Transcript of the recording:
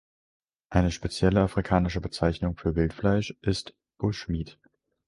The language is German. Eine spezifisch afrikanische Bezeichnung für Wildfleisch ist Bushmeat.